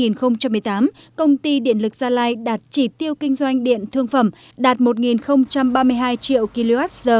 năm hai nghìn một mươi tám công ty điện lực gia lai đạt chỉ tiêu kinh doanh điện thương phẩm đạt một ba mươi hai triệu kwh